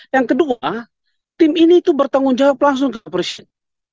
yang kedua tim ini itu bertanggung jawab langsung ke presiden